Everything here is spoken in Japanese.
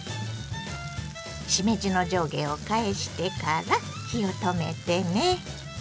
しめじの上下を返してから火を止めてね。